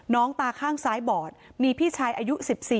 ตาข้างซ้ายบอดมีพี่ชายอายุ๑๔